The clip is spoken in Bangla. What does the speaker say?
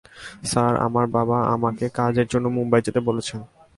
স্যার, আমার বাবা আমাকে কাজের জন্য মুম্বাই যেতে বলেছেন।